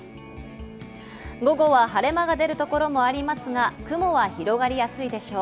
午後は晴れ間が出るところもありますが、雲は広がりやすいでしょう。